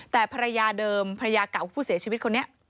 แต่ภรรยาเดิมภรรยาเก่าผู้เสียชีวิตคนนี้